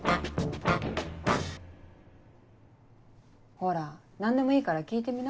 ほら何でもいいから聞いてみな。